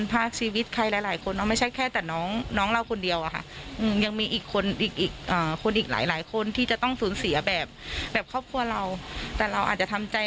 ที่เรายังต้องเสียเค้าไป